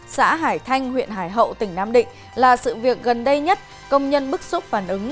xã hải thanh huyện hải hậu tỉnh nam định là sự việc gần đây nhất công nhân bức xúc phản ứng